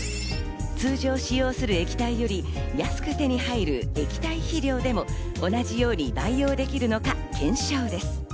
通常使用する液体より安く手に入る液体肥料でも同じように培養できるのか検証です。